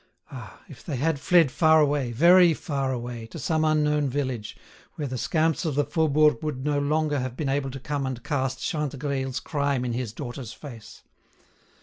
Ah! if they had fled far away, very far away, to some unknown village, where the scamps of the Faubourg would no longer have been able to come and cast Chantegreil's crime in his daughter's face.